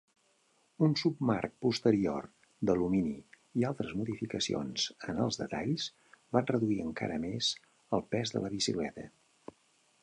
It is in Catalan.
Un submarc posterior d'alumini i altres modificacions en els detalls van reduir encara més el pes de la bicicleta.